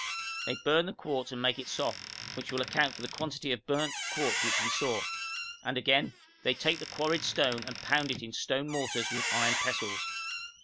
'They burn the quartz and make it soft,' which will account for the quantity of burnt quartz which we saw; and again, 'they take the quarried stone and pound it in stone mortars with iron pestles.'